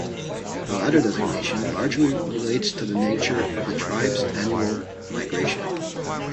The latter designation largely relates to the nature of the tribe's annual "migration".